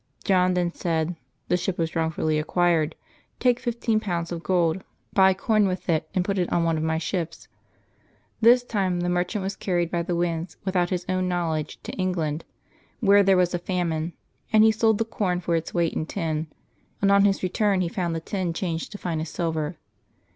John then said, "The ship was wrongfully acquired. Take fifteen pounds of gold, buy 142 LIVES OF THE SAINTS [Apbil 10 corn with it, and put it on one of my ships/' This time the merchant was carried by the winds without his own knowledge to England, where there was a famine; and he sold the corn for its weight in tin, and on his return he found the tin changed to finest silver.